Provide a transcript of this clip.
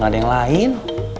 gak ada yang lain